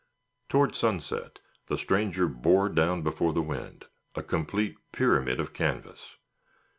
Toward sunset the stranger bore down before the wind, a complete pyramid of canvas.